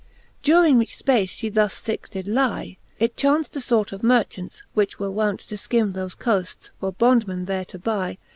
During which fpace that (he thus ficke did lie, It chaunft a fort of merchaunts, which were wount To fkim thofe coaftes, for bondmen there to buy.